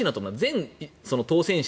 全当選者